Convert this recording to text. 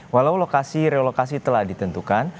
walau lokasi relokasi telah ditentukan